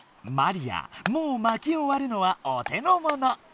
マリアもうまきをわるのはお手のもの。